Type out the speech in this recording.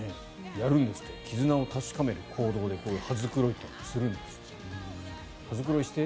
やるんですって絆を確かめる行動で羽繕いってするんですって。